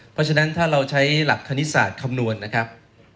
เพราะฉะนั้นถ้าเราใช้หลักคณิตศาสตร์คำนวณนะครับ